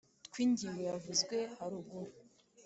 twi ngingo yavuzwe haruguru,